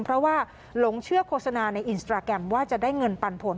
เพราะว่าหลงเชื่อโฆษณาในอินสตราแกรมว่าจะได้เงินปันผล